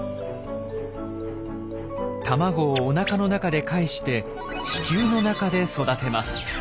卵をおなかの中でかえして子宮の中で育てます。